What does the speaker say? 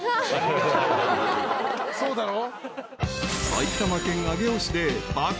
そうだろ？